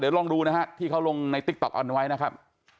เดี๋ยวลองดูนะครับที่เขาลงในติ๊กต๊อบอันไว้นะครับ